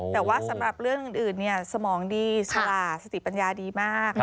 แต่ว่าสำหรับเรื่องอื่นสมองดีสละสติปัญญาดีมาก